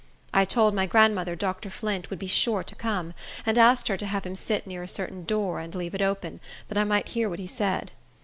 I told my grandmother Dr. Flint would be sure to come, and asked her to have him sit near a certain door, and leave it open, that I might hear what he said.